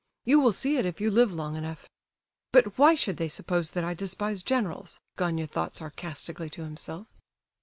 You will see it if you live long enough!" "But why should they suppose that I despise generals?" Gania thought sarcastically to himself.